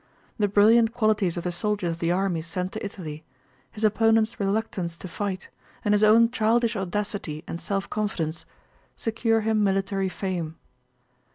The brilliant qualities of the soldiers of the army sent to Italy, his opponents' reluctance to fight, and his own childish audacity and self confidence secure him military fame.